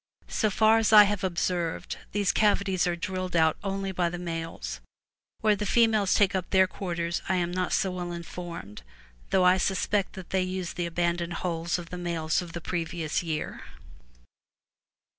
So far as I have observed, these cavities are drilled out only by the males. Where the females take up their quarters I am not so well informed, though I suspect that they use the abandoned holes of the males of the previous year.